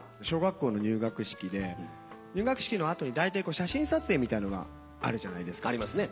小学校の入学式で入学式の後にだいたい写真撮影みたいのがあるじゃないですか。